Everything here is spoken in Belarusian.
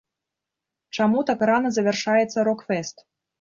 Чаму так рана завяршаецца рок-фэст?